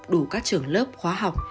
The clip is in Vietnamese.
đủ các trưởng lớp khóa học